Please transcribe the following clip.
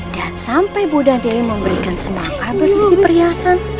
dan sampai bunda dewi memberikan semangka berisi perhiasan